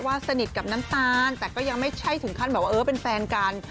สนิทกับน้ำตาลแต่ก็ยังไม่ใช่ถึงขั้นแบบว่าเออเป็นแฟนกัน